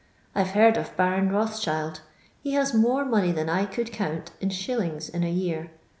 I 're heard of Baron Bothicnild. He has more money than I could count in shiUmgs in a year.